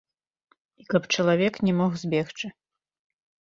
І каб чалавек не мог збегчы.